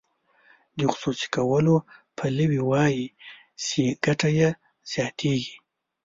د خصوصي کولو پلوي وایي چې ګټه یې زیاتیږي.